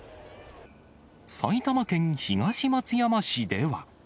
埼玉県東松山市では。